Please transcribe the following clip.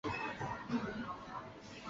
前妻是演歌歌手藤圭子。